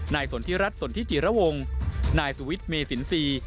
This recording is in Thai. นายสนธิรัฐสนธิจิระวงนายสวิทธิ์เมสินสี